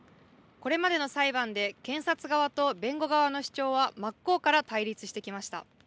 これまでの裁判で検察側と弁護側の主張は真っ向から対立してきました。